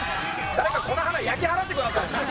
誰かこの花焼き払ってくださいよ。